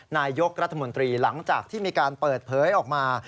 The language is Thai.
นายกรัฐมนตรีหลังจากที่มีการเปิดเผยออกมา